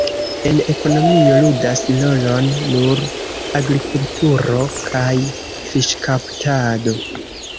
En ekonomio ludas rolon nur agrikulturo kaj fiŝkaptado.